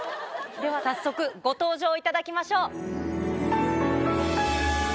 では早速、ご登場いただきましょう。